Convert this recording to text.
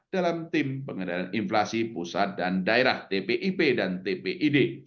dalam tim pengendalian inflasi pusat dan daerah tpip dan tpid